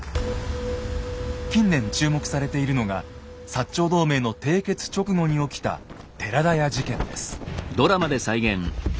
近年注目されているのが長同盟の締結直後に起きたあぁっ！